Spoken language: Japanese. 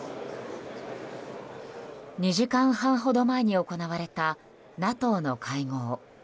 ２時間半ほど前に行われたＮＡＴＯの会合。